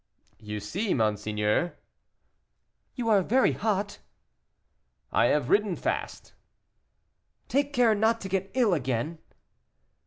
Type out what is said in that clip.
"You see, monseigneur." "You are very hot." "I have ridden fast." "Take care not to get ill again."